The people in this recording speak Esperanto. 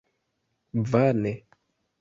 Vane!